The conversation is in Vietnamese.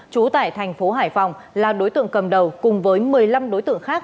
trú tại thành phố hải phòng là đối tượng cầm đầu cùng với một mươi năm đối tượng khác